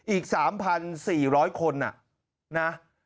อีก๓๔๐๐คน